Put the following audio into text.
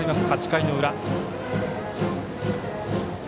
８回の裏。